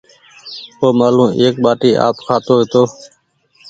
اومآلون ايڪ ٻآٽي آپ کآتو هيتو